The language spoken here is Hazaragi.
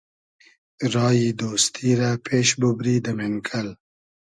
رایی دۉستی رۂ پېش بوبری دۂ مېنکئل